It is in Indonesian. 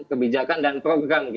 kebijakan dan program